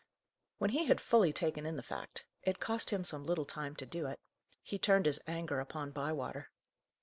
When he had fully taken in the fact it cost him some little time to do it he turned his anger upon Bywater.